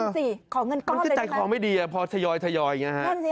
๑สิขอเงินก้อนเลยมันคือจ่ายของไม่ดีพอทยอยอย่างนี้ฮะ